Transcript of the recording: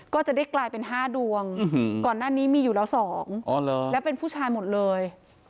ก็จะได้กลายเป็น๕ดวงก่อนหน้านี้มีอยู่แล้ว๒แล้วเป็นผู้ชายหมดเลย